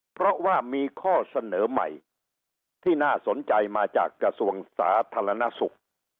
เพราะว่ามีข้อเสนอใหม่ที่น่าสนใจมาจากกระทรวงสาธารณสุข